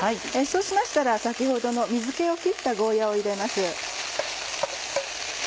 そうしましたら先ほどの水気を切ったゴーヤを入れます。